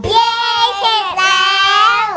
เย้เช็ดแล้ว